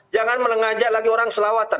jangan lagi mengajak orang sholawatan